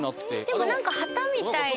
でもなんか旗みたいな。